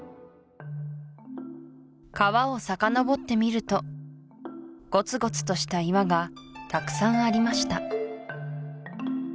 川をさかのぼってみるとゴツゴツとした岩がたくさんありました